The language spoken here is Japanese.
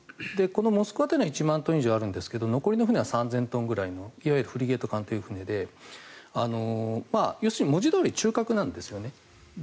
この「モスクワ」というのは１万トン以上あるんですが残りの船は３０００トンぐらいのいわゆるフリゲート艦で文字どおり中核なんですね。